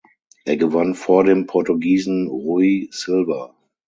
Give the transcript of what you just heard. Er gewann vor dem Portugiesen Rui Silva.